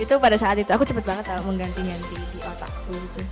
itu pada saat itu aku cepet banget tau mengganti nanti di otakku gitu